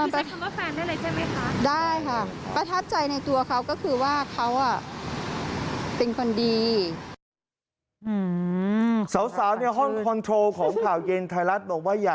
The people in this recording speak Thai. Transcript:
ประทับใจอะไรในตัวเขาตั้งแต่พบกันเป็นแฟนปี๑อะไรแบบนี้